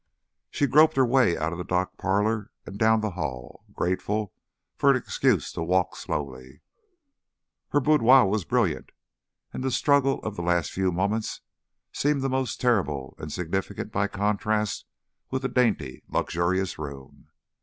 She groped her way out of the dark parlor and down the hall, grateful for an excuse to walk slowly. Her boudoir was brilliant, and the struggle of the last few moments seemed the more terrible and significant by contrast with the dainty luxurious room.